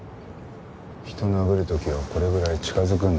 人を殴る時はこれぐらい近づくんだよ。